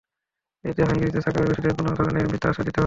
এতে হাঙ্গেরিতে থাকা অভিবাসীদের কোনো ধরনের মিথ্যা আশ্বাস দিতে হবে না।